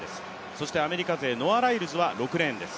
そしてアメリカ勢、ノア・ライルズは６レーンです。